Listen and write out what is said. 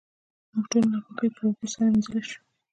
موږ ټولې ناپاکۍ په اوبو سره وېنځلی شو.